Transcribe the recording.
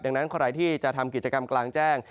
ดังนั้นใครที่จะทำกิจกรรมกลางแจ้ง